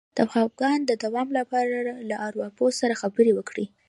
د خپګان د دوام لپاره له ارواپوه سره خبرې وکړئ